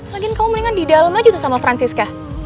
lagian kamu mendingan di dalem aja tuh sama francisca